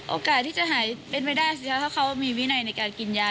โอกาสที่จะหายเป็นไปได้สิคะถ้าเขามีวินัยในการกินยา